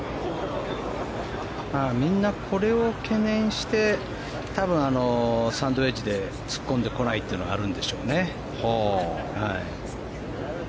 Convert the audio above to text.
みんな、これを懸念して多分、サンドウェッジで突っ込んでこないというのがあるんでしょうね。